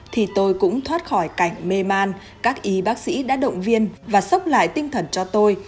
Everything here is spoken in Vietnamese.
thì tôi cũng thoát khỏi cảnh mê man các y bác sĩ đã động viên và sốc lại tinh thần cho tôi